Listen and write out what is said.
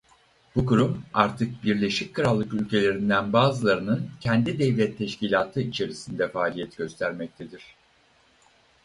Bu kurum artık Birleşik Krallık ülkelerinden bazılarının kendi devlet teşkilatı içerisinde faaliyet göstermektedir.